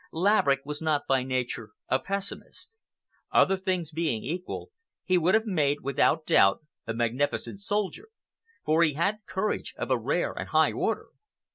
Laverick was not by nature a pessimist. Other things being equal, he would have made, without doubt, a magnificent soldier, for he had courage of a rare and high order.